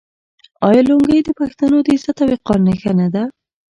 آیا لونګۍ د پښتنو د عزت او وقار نښه نه ده؟